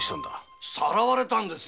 さらわれたんですよ。